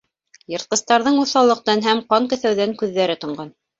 Йыртҡыстарҙың уҫаллыҡтан һәм ҡан көҫәүҙән күҙҙәре тонған.